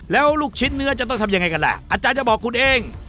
แล้วลูกชิ้นเนื้อจะต้องทำยังไงกันล่ะอาจารย์จะบอกคุณเอง